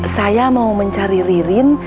saya mau mencari ririn